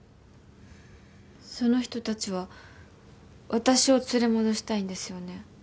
その人たちは私を連れ戻したいんですよね？